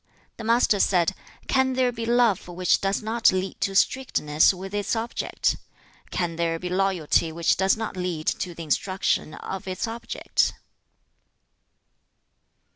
The Master said, 'Can there be love which does not lead to strictness with its object? Can there be loyalty which does not lead to the instruction of its object?'